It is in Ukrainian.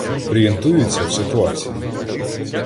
Орієнтуюся в ситуації.